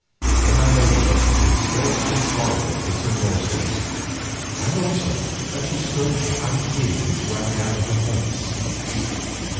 Then I noted that she could scarcely swallow the bitter morsels, and also that she strove to hide tears which ran down her face.